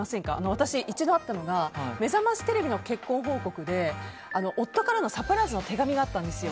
私一度あったのが「めざましテレビ」の結婚報告で夫からのサプライズの手紙があったんです。